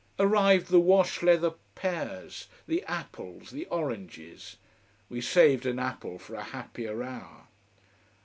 Arrived the wash leather pears, the apples, the oranges we saved an apple for a happier hour.